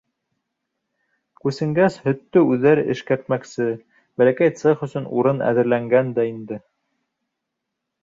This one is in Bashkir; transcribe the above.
Күсенгәс, һөттө үҙҙәре эшкәртмәксе, бәләкәй цех өсөн урын әҙерләнгән дә инде.